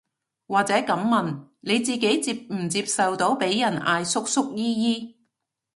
或者噉問，你自己接唔接受到被人嗌叔叔姨姨